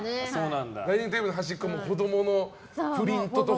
ダイニングテーブルの端っこ子供のプリントとか。